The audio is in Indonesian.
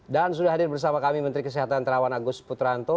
dan sudah hadir bersama kami menteri kesehatan terawan agus putranto